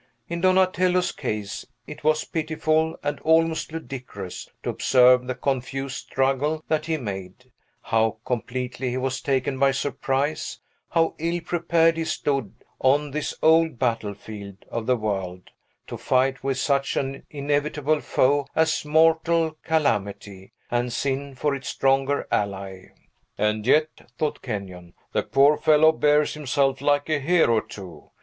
In Donatello's case, it was pitiful, and almost ludicrous, to observe the confused struggle that he made; how completely he was taken by surprise; how ill prepared he stood, on this old battlefield of the world, to fight with such an inevitable foe as mortal calamity, and sin for its stronger ally. "And yet," thought Kenyon, "the poor fellow bears himself like a hero, too!